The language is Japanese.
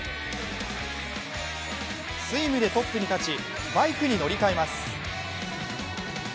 スイムでトップに立ち、バイクに乗り換えます。